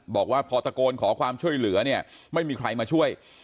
บอกว่าพอตะโกนขอความช่วยเหลือเนี่ยไม่มีใครมาช่วย